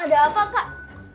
ada apa kak